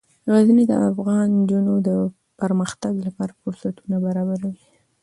غزني د افغان نجونو د پرمختګ لپاره فرصتونه برابروي.